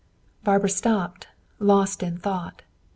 Barbara stopped, lost in thought.